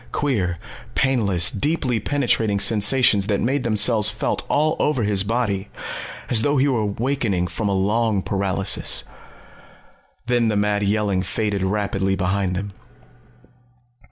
Queer, painless, deeply penetrating sensations that made themselves felt all over his body as though he was awakening from a long paralysis. Then the mad yelling faded rapidly behind them.